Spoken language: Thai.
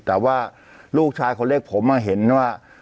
แต่ว่าลูกชายคนเล็กผมเห็นว่า